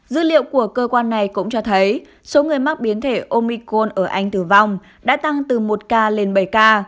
dữ liệu của cơ quan này cũng cho thấy số người mắc biến thể omicon ở anh tử vong đã tăng từ một ca lên bảy ca